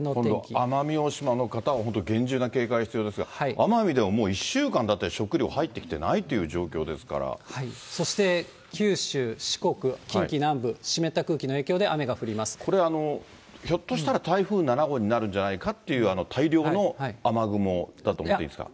この奄美大島の方は、本当、厳重な警戒が必要ですが、奄美ではもう１週間、だって、食料入っそして九州、四国、近畿南部、これ、ひょっとしたら台風７号になるんじゃないかって、大量の雨雲だと思っていいですか。